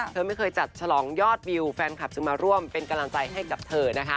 เธอไม่เคยจัดฉลองยอดวิวแฟนคลับจึงมาร่วมเป็นกำลังใจให้กับเธอนะคะ